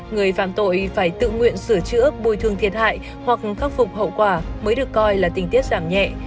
người phạm tội phải tự nguyện sửa chữa bồi thương thiệt hại hoặc khắc phục hậu quả mới được coi là tình tiết giảm nhẹ